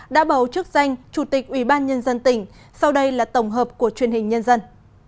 đã bầu chức danh chủ tịch ủy ban nhân dân tỉnh sau đây là tổng hợp của truyền hình nhân dân